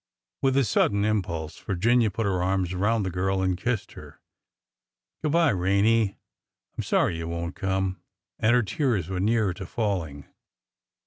With a sudden impulse Virginia put her arms around the girl and kissed her. " Good by, Rene. I 'm sorry you won't come." And her tears were near to falling.